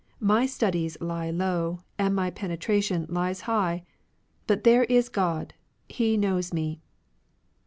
My studies lie low, and my penetration lies high. But there is God ; He knows me."